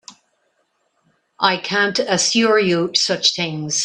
I can't assure you such things.